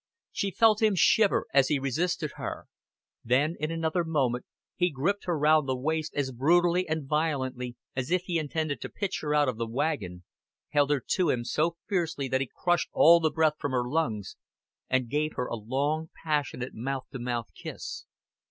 She felt him shiver as he resisted her; then in another moment he gripped her round the waist as brutally and violently as if he intended to pitch her out of the wagon, held her to him so fiercely that he crushed all the breath from her lungs, and gave her a long passionate mouth to mouth kiss.